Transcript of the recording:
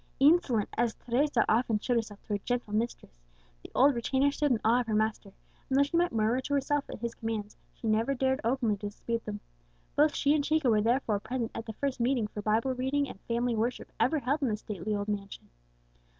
Insolent as Teresa often showed herself to her gentle mistress, the old retainer stood in awe of her master; and though she might murmur to herself at his commands, she never dared openly to dispute them. Both she and Chico were therefore present at the first meeting for Bible reading and family worship ever held in the stately old mansion.